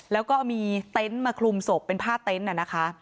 แล้วก็มีเต็นต์มาคลุมศพเป็นผ้าเต็นต์น่ะนะคะ